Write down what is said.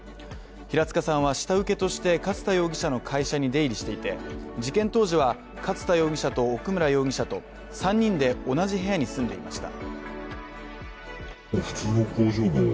平塚さんは下請けとして勝田容疑者の会社に出入りしていて事件当時は勝田容疑者と奥村容疑者と３人で同じ部屋に住んでいました。